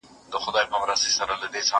زه اجازه لرم چي زده کړه وکړم!.